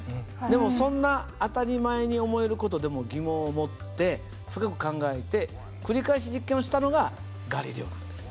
でもそんな当たり前に思える事でも疑問を持って深く考えて繰り返し実験をしたのがガリレオなんです。